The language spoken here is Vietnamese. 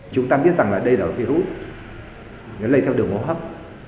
chúng ta biết rằng đây là virus nó lây theo đường hô hấp